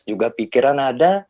juga pikiran ada